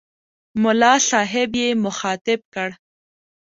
ملا صاحب یې مخاطب کړ.